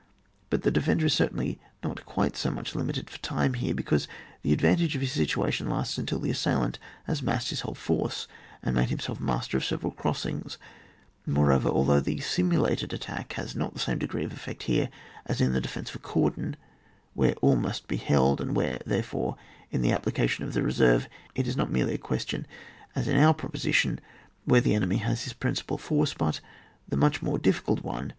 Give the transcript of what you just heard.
But the de fender is certainly not quite so much limited for time here, because the advan tage of his situation lasts until the assail ant has massed his whole force, and made himself master of several crossings; more over, also, the simulated attack has not the same degree of effect here as in the defence of a cordon, where all must be held, and where, therefore, in the appli cation of the reserve, it is not merely a question, as in our proposition, where the enemy has his principal force, but the much more difficult one.